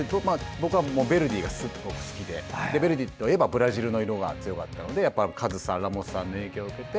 僕はヴェルディがすごく好きでヴェルディといえばブラジルが強かったのでカズさん、ラモスさんの影響を受けて。